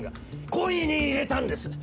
故意に入れたんです！